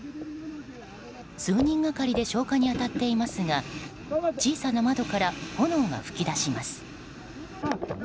数人がかりで消火に当たっていますが小さな窓から炎が噴き出します。